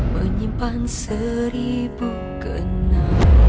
cukup putri aja ya